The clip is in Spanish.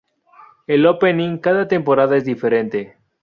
El opening cada temporada es diferente.